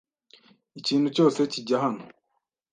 Ikintu cyose kijya hano.